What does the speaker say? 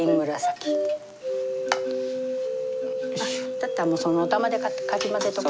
だったらもうそのお玉でかきまぜとく？